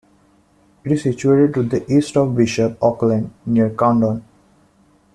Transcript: It is situated to the east of Bishop Auckland, near Coundon.